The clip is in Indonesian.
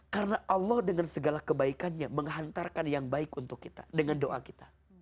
karena allah dengan segala kebaikannya menghantarkan yang baik untuk kita dengan doa kita